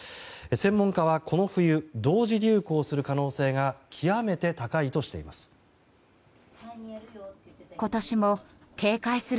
専門家はこの冬同時流行する可能性が極めて高いとしています。